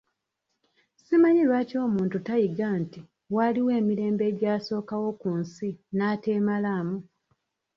Si manyi lwaki omuntu tayiga nti waaliwo emirembe egyamusookawo ku nsi n'ateemalaamu?